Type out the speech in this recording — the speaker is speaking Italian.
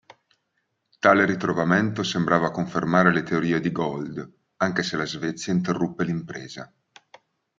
Tale ritrovamento sembrava confermare le teorie di Gold, anche se la Svezia interruppe l'impresa.